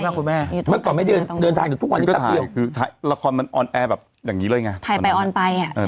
ร้านหลุมแก้วเหรอร้านหลุมแก้วเหรอร้านหลุมแก้วเหรอร้านหลุมแก้วเหรอ